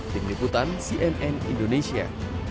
tim liputan cnn indonesia